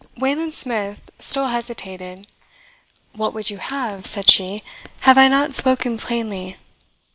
Wayland Smith still hesitated. "What would you have?" said she. "Have I not spoken plainly?"